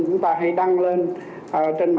chúng ta hay đăng lên